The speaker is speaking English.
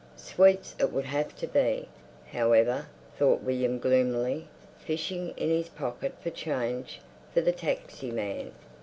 Sweets it would have to be, however, thought William gloomily, fishing in his pocket for change for the taxi man.